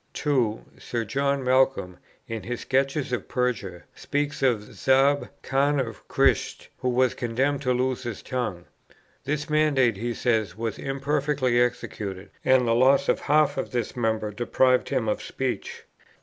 2. Sir John Malcolm, in his "Sketches of Persia," speaks of Zâb, Khan of Khisht, who was condemned to lose his tongue. "This mandate," he says, "was imperfectly executed, and the loss of half this member deprived him of speech.